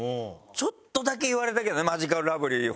ちょっとだけ言われたけどねマヂカルラブリーほどじゃないけど。